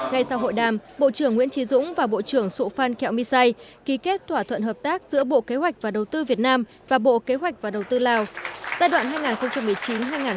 ngay sau hội đàm bộ trưởng nguyễn trí dũng và bộ trưởng sụp phan kẹo my sai ký kết thỏa thuận hợp tác giữa bộ kế hoạch và đầu tư việt nam và bộ kế hoạch và đầu tư lào giai đoạn hai nghìn một mươi chín hai nghìn hai mươi năm